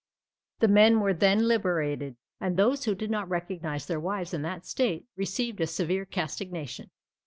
The men were then liberated, and those who did not recognise their wives in that state received a severe castigation.